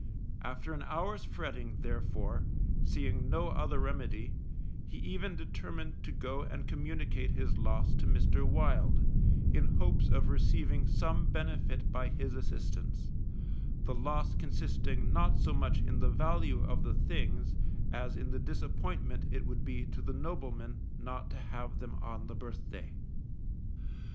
After an hour's fretting, therefore, seeing no other remedy, he even determined to go and communicate his loss to Mr. Wild, in hopes of receiving some benefit by his assistance, the loss consisting not so much in the value of the things as in the disappointment it would be to the nobleman not to have them on the birthday.